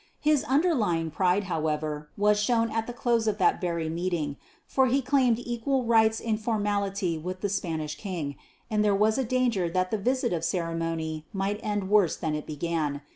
His underlying pride, however, was shewn at the close of that very meeting, for he claimed equal rights in formality with the Spanish king; and there was a danger that the visit of ceremony might end worse than it began.